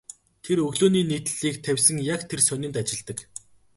Тэр өглөөний нийтлэлийг тавьсан яг тэр сонинд ажилладаг.